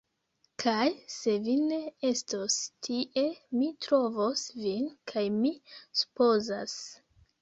Kaj se vi ne estos tie, mi trovos vin kaj mi supozas